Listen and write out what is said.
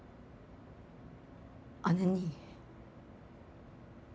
姉に。